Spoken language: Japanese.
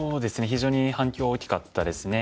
非常に反響は大きかったですね。